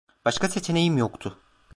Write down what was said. Başka seçeneğim yoktu.